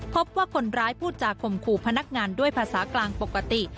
พบว่าคนร้ายพูดจากข่มขู่พนักงานด้วยภาษากลางปกติ